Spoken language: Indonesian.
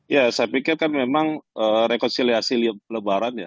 ya saya pikirkan memang rekonsiliasi setiap lebaran ya